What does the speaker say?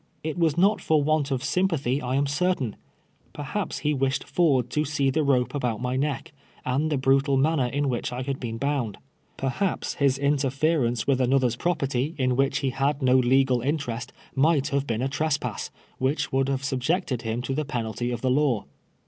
It was not for want of sympathy, I am certain. Per haps he wished Ford to see the rope about my neck, and the brutal manner in which I had been bound ; perhaps his interference with another's property in 120 TWELV E YEARS A 5I.AVE, ■wliicli hv liail no leu'al interest niij: lit have l)een a trespass, ^\•lliell \vt>uld liave subjected him to the pen alty of the hiw.